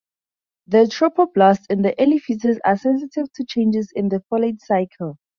The trophoblasts in the early fetus are sensitive to changes in the folate cycle.